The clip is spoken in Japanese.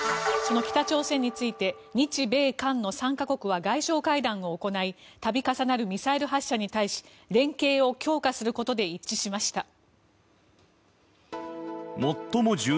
その北朝鮮について日米韓の３か国は外相会談を行い度重なるミサイル発射に対し連携を強化することで一致しました。